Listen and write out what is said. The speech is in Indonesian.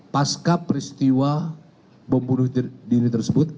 pasca peristiwa bom bunuh diri tersebut